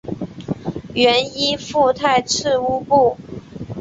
原依附泰赤乌部。